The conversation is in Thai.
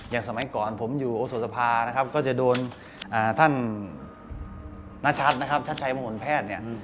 อย่างสมัยก่อนผมอยู่โอโสสภาก็จะโดนท่านนาชัตริย์ชัตริย์ชัยมหลวนแพทย์